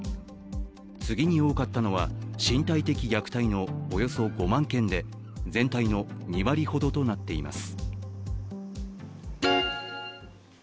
次に多かったのは身体的虐待のおよそ５万件で全体の２割ほどとなっています。